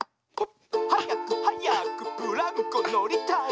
「はやくはやくブランコのりたい」